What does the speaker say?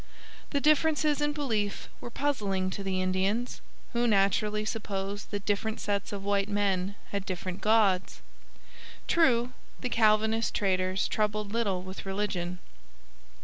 The differences in belief were puzzling to the Indians, who naturally supposed that different sets of white men had different gods. True, the Calvinist traders troubled little with religion.